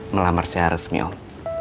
melamar seharusnya om